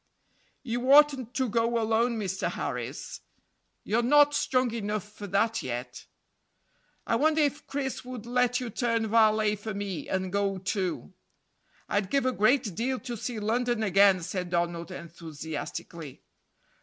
"You oughtn't to go alone, Mr. Harris; you're not strong enough for that yet." "I wonder if Chris would let you turn valet for me and go too." "I'd give a great deal to see London again," said Donald enthusiastically.